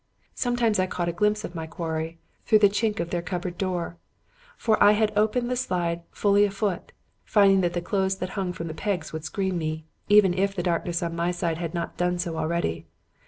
Sometimes I caught a glimpse of my quarry through the chink of their cupboard door; for I had opened the slide fully a foot, finding that the clothes that hung from the pegs would screen me, even if the darkness on my side had not done so already.